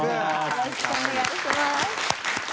よろしくお願いします。